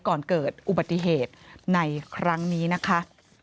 ก่อนเกิดอุบัติเหตุในครั้งนี้นะคะ